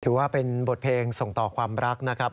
ถือว่าเป็นบทเพลงส่งต่อความรักนะครับ